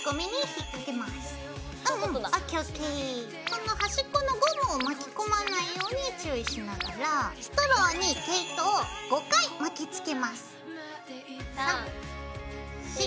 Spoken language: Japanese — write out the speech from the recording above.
その端っこのゴムを巻き込まないように注意しながらストローに毛糸を５回巻きつけます。